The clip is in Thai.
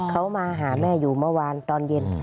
เขามาหาแม่อยู่เมื่อวานตอนเย็น